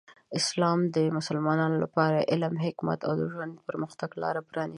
اسلام د مسلمانانو لپاره د علم، حکمت، او د ژوند پرمختګ لاره پرانیزي.